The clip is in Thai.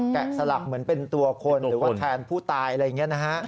สลักเหมือนเป็นตัวคนหรือว่าแทนผู้ตายอะไรอย่างนี้นะฮะ